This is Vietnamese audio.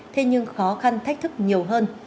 thế nhưng khó khăn thách thức nhiều hơn